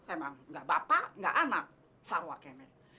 emang enggak bapak enggak anak sarwa kayaknya